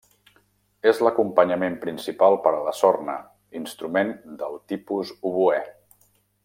És l'acompanyament principal per a la sorna, instrument del tipus oboè.